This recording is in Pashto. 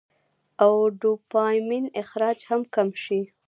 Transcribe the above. او ډوپامين اخراج هم کم شي -